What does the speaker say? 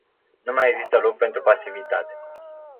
Nu mai există loc pentru pasivitate.